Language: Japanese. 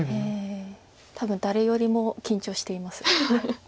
多分誰よりも緊張しています。